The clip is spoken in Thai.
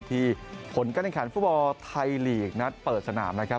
ที่ผลการแข่งขันฟุตบอลไทยลีกนัดเปิดสนามนะครับ